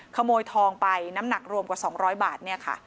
ขโมยทองไปน้ำหนักรวมกว่า๒๐๐บาท